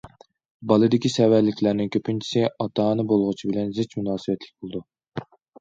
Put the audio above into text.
بالىدىكى سەۋەنلىكلەرنىڭ كۆپىنچىسى ئاتا- ئانا بولغۇچى بىلەن زىچ مۇناسىۋەتلىك بولىدۇ.